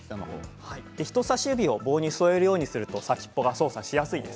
人さし指を棒に沿えるようにすると先っぽが操作しやすくなります。